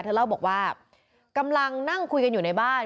เธอเล่าบอกว่ากำลังนั่งคุยกันอยู่ในบ้าน